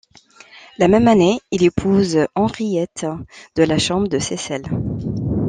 La même année, il épouse Henriette de La Chambre de Seyssel.